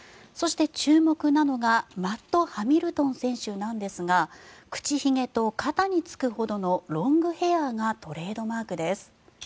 そして注目なのがマット・ハミルトン選手ですが口ひげと肩につくほどのロングヘアがトレードマークです。